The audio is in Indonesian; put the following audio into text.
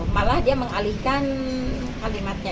malah dia mengalihkan kalimatnya